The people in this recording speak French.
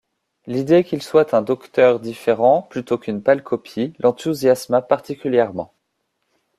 L'idée qu'il soit un Docteur différent plutôt qu'une pâle copie l'enthousiasma particulièrement.